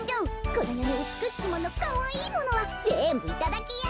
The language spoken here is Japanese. このよのうつくしきものかわいいものはぜんぶいただきよ！